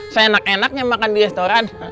seenak enaknya makan di restoran